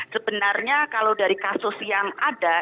sebenarnya kalau dari kasus yang ada